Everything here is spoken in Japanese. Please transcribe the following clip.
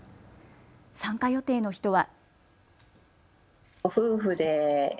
参加予定の人は。